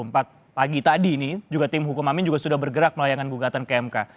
pagi tadi ini tim hukum amin juga sudah bergerak melayang gugatan kmk